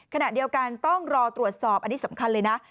ขณะเดียวกันต้องรอตรวจสอบอันนี้สำคัญเลยนะ